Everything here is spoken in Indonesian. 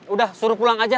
udah suruh pulang aja